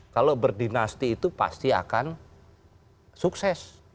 kalau berdinasti itu pasti akan sukses